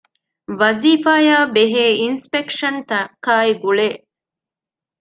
ވަޒީފާއާބެހޭ އިންސްޕެކްޝަންތަކާއި ގުޅޭ